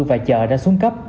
và chợ đã xuống cấp